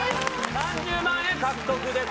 ３０万円獲得です。